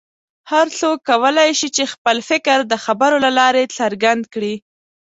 هر څوک کولی شي چې خپل فکر د خبرو له لارې څرګند کړي.